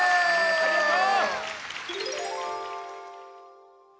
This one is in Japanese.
ありがとう。